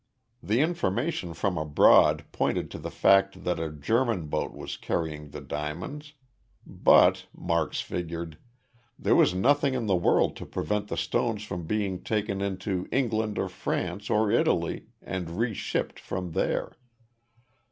The information from abroad pointed to the fact that a German boat was carrying the diamonds, but, Marks figured, there was nothing in the world to prevent the stones from being taken into England or France or Italy and reshipped from there.